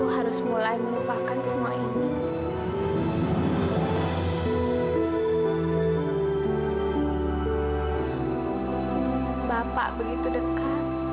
sampai jumpa di video selanjutnya